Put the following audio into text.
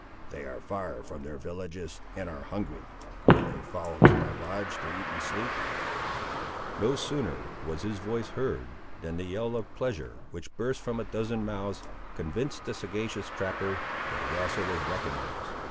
"They are far from their villages, and are hungry. Will they follow to my lodge, to eat and sleep?" No sooner was his voice heard, than the yell of pleasure, which burst from a dozen mouths, convinced the sagacious trapper, that he also was recognised.